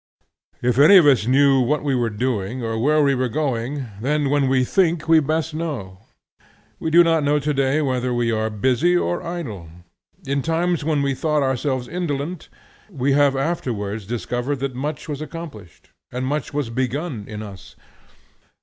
If any of us knew what we were doing, or where we are going, then when we think we best know! We do not know to day whether we are busy or idle. In times when we thought ourselves indolent, we have afterwards discovered that much was accomplished, and much was begun in us.